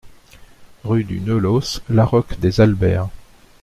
Rue du Neulos, Laroque-des-Albères